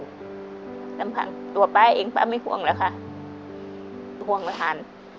ส่วนตัวป้าเองป้าไม่ห่วงแล้วค่ะห่วงแล้วทาน